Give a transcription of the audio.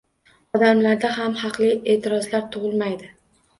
Odamlarda ham haqli eʼtirozlar tugʻilmaydi.